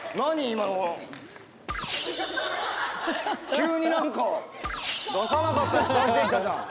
急に何か出さなかったやつ出してきたじゃん。